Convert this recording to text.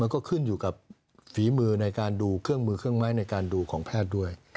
ก็ขึ้นอยู่กับฝีมือในการดูเครื่องมือเครื่องไม้ในการดูของแพทย์ด้วย